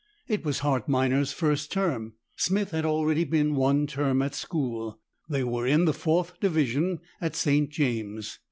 It was Hart Minor's first term: Smith had already been one term at school. They were in the fourth division at St. James's.